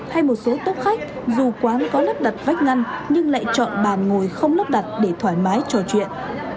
hay một số tốc khách dù quán có lắp đặt vách ngăn nhưng lại chọn bàn ngồi không lắp đặt để thoải mái trò chuyện